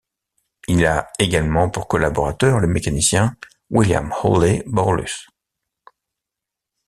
Il a également pour collaborateur le mécanicien William Hawley Bowlus.